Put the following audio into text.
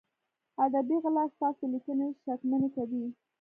ادبي غلا ستاسو لیکنې شکمنې کوي.